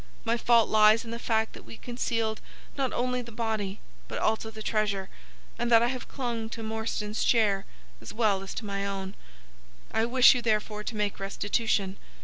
My fault lies in the fact that we concealed not only the body, but also the treasure, and that I have clung to Morstan's share as well as to my own. I wish you, therefore, to make restitution.